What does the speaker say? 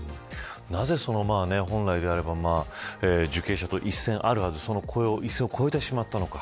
なぜ、本来であれば受刑者と一線あるはずのその一線を越えてしまったのか